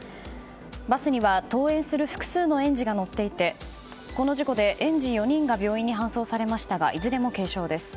バスには登園する複数の園児が乗っていてこの事故で園児４人が病院に搬送されましたがいずれも軽傷です。